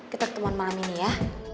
kita ketemuan malam ini ya